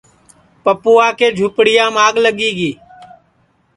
پپوا کی جُھوپڑیام آگ لگی گی